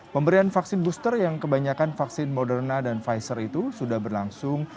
pemberian vaksin booster yang kebanyakan vaksin moderna dan pfizer itu sudah berlangsung